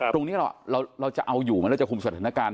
ตรงนี้เราจะเอาอยู่ไหมเราจะคุมสถานการณ์